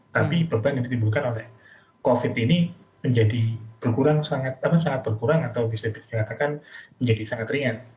tapi beban yang ditimbulkan oleh covid ini menjadi sangat berkurang atau bisa dikatakan menjadi sangat ringan